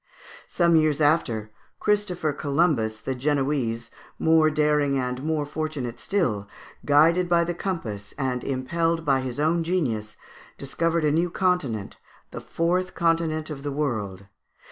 Some years after, Christopher Columbus, the Genoese, more daring and more fortunate still, guided by the compass and impelled by his own genius, discovered a new continent, the fourth continent of the world (Fig.